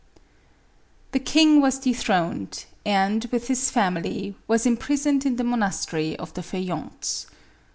The king was dethroned, and, with his family, was imprisoned in the monastery of the Feuillants.